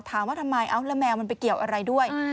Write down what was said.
ถามว่าทำไมเอาแล้วแมวมันไปเกี่ยวอะไรด้วย